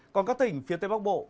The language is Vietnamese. còn các tỉnh phía tây bắc bộ